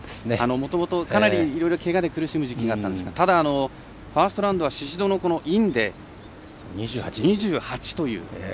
もともと、けがで苦しむ時期があったんですがファーストラウンドは宍戸のインで２８という。